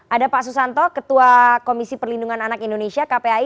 ada pak susanto ketua komisi perlindungan anak indonesia kpai